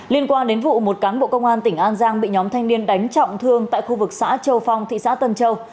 liên quan đến vụ một cán bộ công an tỉnh an giang bị nhóm thanh niên đánh trọng thương tại khu vực xã châu phong thị xã tân châu